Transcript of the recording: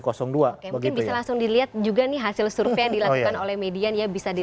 oke mungkin bisa langsung dilihat juga nih hasil survei yang dilakukan oleh median ya bisa dilihat